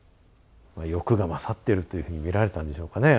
欲が勝っているというふうに見られたんでしょうかね？